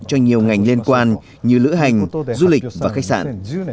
cho nhiều ngành liên quan như lữ hành du lịch và khách sạn